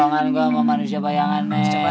tolongan gue sama manusia bayangannya ya